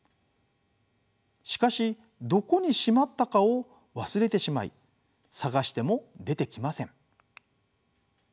しかしどこにしまったかを忘れてしまい探しても出てきません。